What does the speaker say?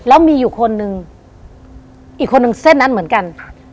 แล้วมีอยู่คนหนึ่งอีกคนนึงเส้นนั้นเหมือนกันครับ